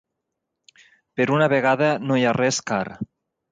Per una vegada no hi ha res car.